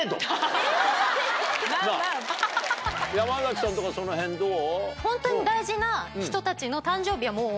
山崎さんとかその辺どう？